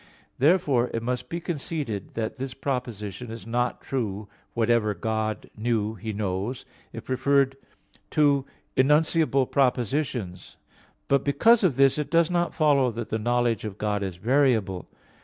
Therefore, it must be conceded that this proposition is not true, "Whatever God knew He knows," if referred to enunciable propositions. But because of this, it does not follow that the knowledge of God is variable.